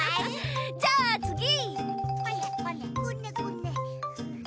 じゃあつぎ！